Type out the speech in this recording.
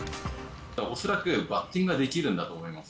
恐らくバッティングはできるんだと思います。